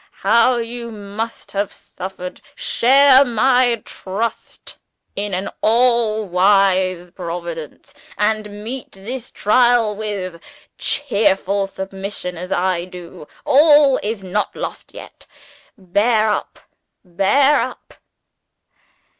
how you must have suffered! Share my trust in an all wise Providence, and meet this trial with cheerful submission as I do. All is not lost yet. Bear up! bear up!"